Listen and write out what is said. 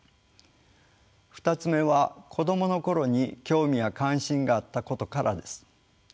２つ目は子どもの頃に興味や関心があったことからです。